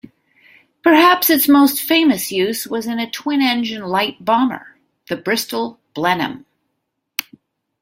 Perhaps its most famous use was in a twin-engine light bomber, the Bristol Blenheim.